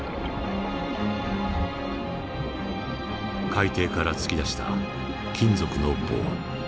海底から突き出した金属の棒。